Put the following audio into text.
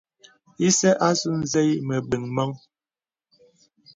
Ìsə àsū zèì məbəŋ mɔ̄ŋ.